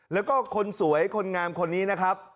แล้วก็คนสวยคนงามคนนี้นะครับ